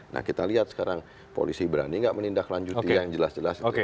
nah kita lihat sekarang polisi berani nggak menindaklanjuti yang jelas jelas itu